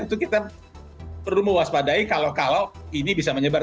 itu kita perlu mewaspadai kalau kalau ini bisa menyebar